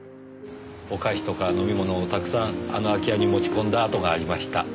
お菓子とか飲み物をたくさんあの空き家に持ち込んだあとがありました。